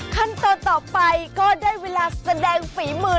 ขั้นตอนต่อไปก็ได้เวลาแสดงฝีมือ